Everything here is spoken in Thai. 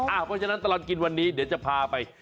เพราะฉะนั้นตลอดกินวันนี้เดี๋ยวจะพาไป